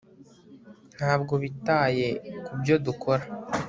ntabwo bitaye kubyo dukora